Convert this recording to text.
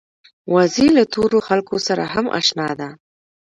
وزې له تورو خلکو سره هم اشنا ده